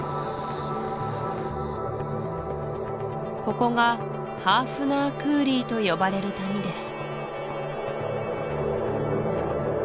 ここがハーフナー・クーリーと呼ばれる谷です